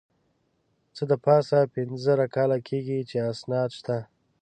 څه د پاسه پینځه زره کاله کېږي چې اسناد شته.